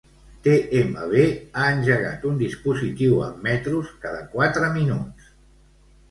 TMB ha engegat un dispositiu amb metros cada quatre minuts.